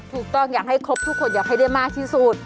อยากให้ครบทุกคนอยากให้ได้มากที่สุด